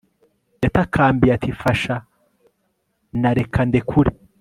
yatakambiye ati 'fasha!' na 'reka ndekure